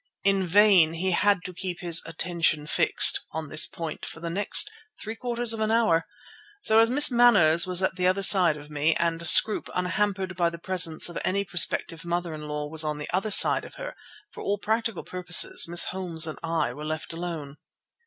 In vain; he had to keep his "attention fixed" on this point for the next three quarters of an hour. So as Miss Manners was at the other side of me, and Scroope, unhampered by the presence of any prospective mother in law, was at the other side of her, for all practical purposes Miss Holmes and I were left alone.